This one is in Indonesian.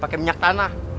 pakai minyak tanah